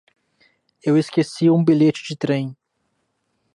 Eu esqueci um bilhete de trem.